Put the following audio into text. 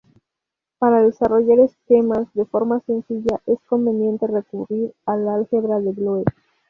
Para desarrollar esquemas, de forma sencilla, es conveniente recurrir al álgebra de Boole.